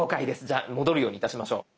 じゃあ戻るようにいたしましょう。